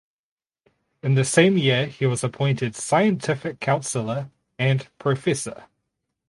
In the same year he was appointed Scientific Councilor and Professor.